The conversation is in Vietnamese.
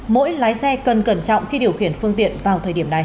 mỗi lái xe cần cẩn trọng khi điều khiển phương tiện vào thời điểm này